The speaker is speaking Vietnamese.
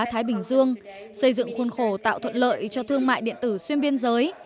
thái bình dương xây dựng khuôn khổ tạo thuận lợi cho thương mại điện tử xuyên biên giới